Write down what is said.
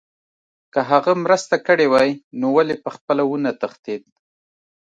که هغه مرسته کړې وای نو ولې پخپله ونه تښتېد